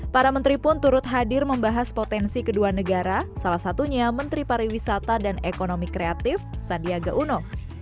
para menteri pun turut hadir membahas potensi kedua negara salah satunya menteri pariwisata dan ekonomi kreatif sandiaga uno